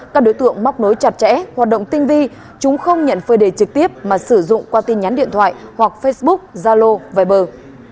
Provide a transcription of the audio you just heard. các đối tượng móc nối chặt chẽ hoạt động tinh vi chúng không nhận phơi đề trực tiếp mà sử dụng qua tin nhắn điện thoại hoặc facebook zalo viber